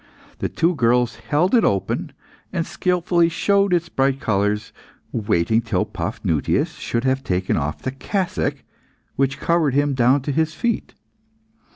The two girls held it open, and skilfully showed its bright colours, waiting till Paphnutius should have taken off the cassock which covered him down to his feet.